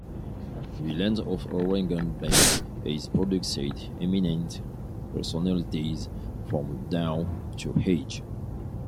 The land of Aurangabad has produced eminent personalities from down to ages.